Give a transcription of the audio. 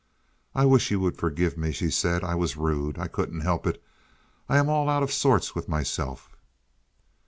"I wish you would forgive me," she said. "I was rude. I couldn't help it. I am all out of sorts with myself."